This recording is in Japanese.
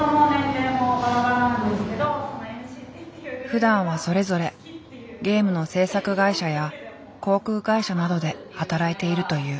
ふだんはそれぞれゲームの制作会社や航空会社などで働いているという。